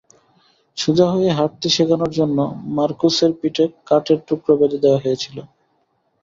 সোজা হয়ে হাঁটতে শেখানোর জন্য মারকোসের পিঠে কাঠের টুকরো বেঁধে দেওয়া হয়েছিল।